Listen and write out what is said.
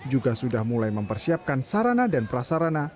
juga sudah mulai mempersiapkan sarana dan prasarana